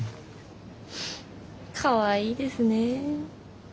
かわいいですねえ。